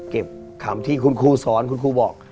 คำที่คุณครูสอนคุณครูบอก